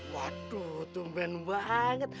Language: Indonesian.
waduh tumben banget